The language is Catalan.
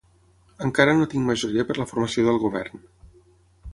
Encara no tinc majoria per la formació del govern.